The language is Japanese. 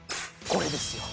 これですよ